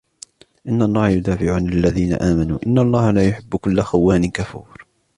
إِنَّ اللَّهَ يُدَافِعُ عَنِ الَّذِينَ آمَنُوا إِنَّ اللَّهَ لَا يُحِبُّ كُلَّ خَوَّانٍ كَفُورٍ